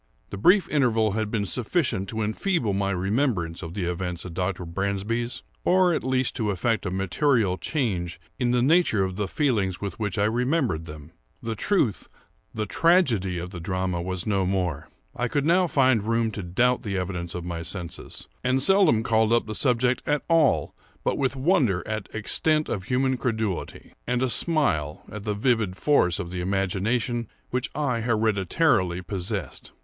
The brief interval had been sufficient to enfeeble my remembrance of the events at Dr. Bransby's, or at least to effect a material change in the nature of the feelings with which I remembered them. The truth—the tragedy—of the drama was no more. I could now find room to doubt the evidence of my senses; and seldom called up the subject at all but with wonder at extent of human credulity, and a smile at the vivid force of the imagination which I hereditarily possessed.